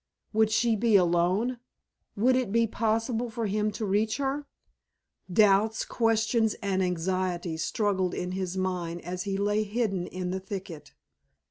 Would she be alone? Would it be possible for him to reach her? Doubts, questions, and anxieties struggled in his mind as he lay hidden in the thicket.